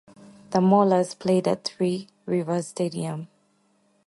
The Maulers played at Three Rivers Stadium.